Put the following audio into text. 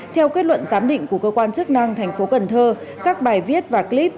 theo kết luận giám định của cơ quan chức năng tp cn các bài viết và clip